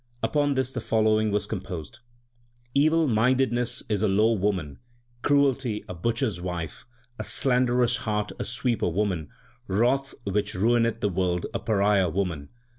Upon this the following was com posed : Evil mindedness is a low woman, 1 cruelty a butcher s wife, a slanderous heart a sweeper woman, wrath which ruineth the world a pariah woman.